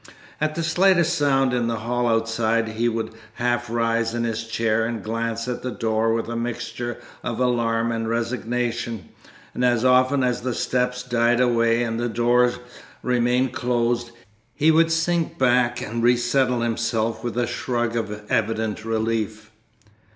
At the slightest sound in the hall outside he would half rise in his chair and glance at the door with a mixture of alarm and resignation, and as often as the steps died away and the door remained closed, he would sink back and resettle himself with a shrug of evident relief.